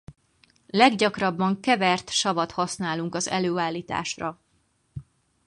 Leggyakrabban kevert savat használunk az előállításra.